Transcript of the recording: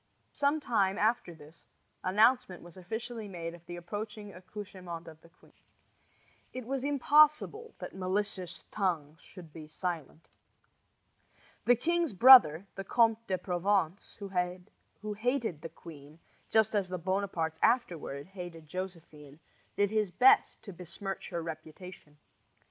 Some time after this announcement was officially made of the approaching accouchement of the queen. It was impossible that malicious tongues should be silent. The king's brother, the Comte de Provence, who hated the queen, just as the Bonapartes afterward hated Josephine, did his best to besmirch her reputation.